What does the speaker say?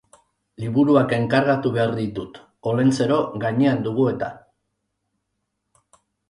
Liburuak enkargatu behar ditut; Olentzero gainean dugu eta